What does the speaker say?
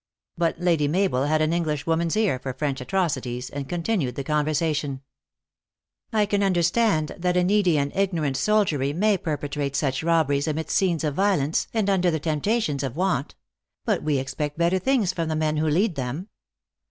But Lady Ma bel had an English woman s ear for French atrocities, and continued the conversation :" I can understand that a needy and ignorant sol diery may perpetrate such robberies amidst scenes of violence, and under the temptations of want ; but we expect better things from the men who lead them."